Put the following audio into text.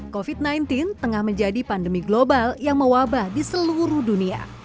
covid sembilan belas tengah menjadi pandemi global yang mewabah di seluruh dunia